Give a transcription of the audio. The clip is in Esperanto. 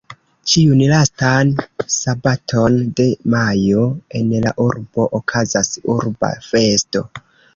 Ĉiun lastan sabaton de majo en la urbo okazas Urba Festo.